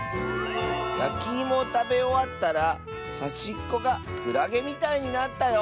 「やきいもをたべおわったらはしっこがクラゲみたいになったよ」。